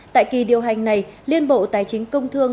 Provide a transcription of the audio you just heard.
tại kỳ điều hành này liên bộ tài chính công thương